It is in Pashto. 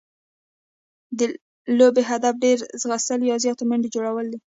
د لوبي هدف ډېر ځغستل يا زیاتي منډي جوړول دي.